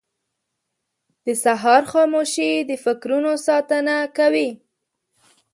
• د سهار خاموشي د فکرونو ساتنه کوي.